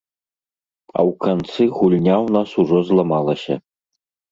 А ў канцы гульня ў нас ужо зламалася.